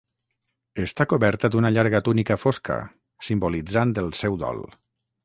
Està coberta d'una llarga túnica fosca, simbolitzant el seu dol.